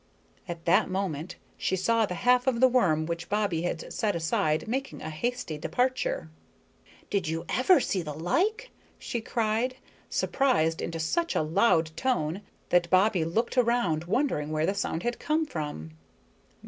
At that moment she saw the half of the worm which Bobbie had set aside, making a hasty departure. "Did you ever see the like!" she cried, surprised into such a loud tone that Bobbie looked around wondering where the sound had come from.